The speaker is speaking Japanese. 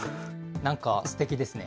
なんかすてきですね。